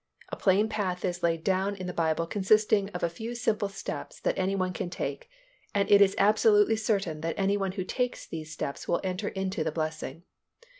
A plain path is laid down in the Bible consisting of a few simple steps that any one can take, and it is absolutely certain that any one who takes these steps will enter into the blessing.